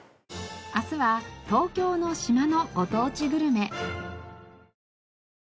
明日は東京の島のご当地グルメ。